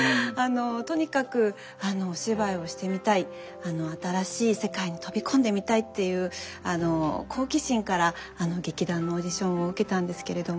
とにかくお芝居をしてみたい新しい世界に飛び込んでみたいっていう好奇心から劇団のオーディションを受けたんですけれども。